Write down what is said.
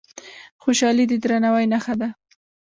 خوشالي د درناوي نښه ده.